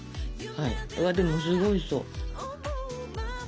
うわっでもすごいおいしそう。